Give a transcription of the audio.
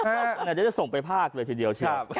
อันนี้จะส่งไปภาคเลยทีเดียว